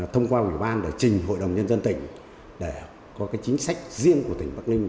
thông qua ủy ban để trình hội đồng nhân dân tỉnh để có chính sách riêng của tỉnh bắc ninh